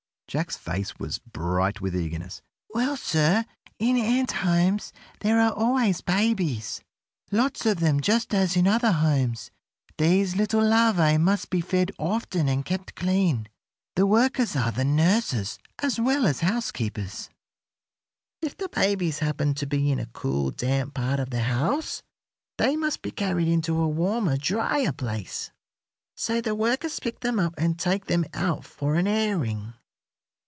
Jack's face was bright with eagerness. "Well, sir, in ant homes there are always babies, lots of them, just as in other homes. These little larvæ must be fed often and kept clean. The workers are the nurses as well as housekeepers. If the babies happen to be in a cool, damp part of the house they must be carried into a warmer, drier place. So the workers pick them up and take them out for an airing.